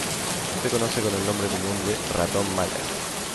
Se conoce con el nombre común de Ratón Maya.